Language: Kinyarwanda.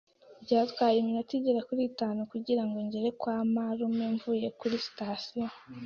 Byatwaye iminota igera kuri itanu kugirango ngere kwa marume mvuye kuri sitasiyo.